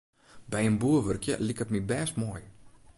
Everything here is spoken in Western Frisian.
By in boer wurkje liket my bêst moai.